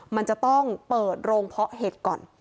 มันจะต้องเปิดโรงเพาะเห็ดก่อน